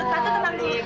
tante tenang nek